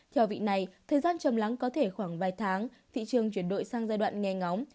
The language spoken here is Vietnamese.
theo vị này thời gian chầm lắng có thể khoảng vài tháng thị trường chuyển đổi sang giai đoạn nghe ngóng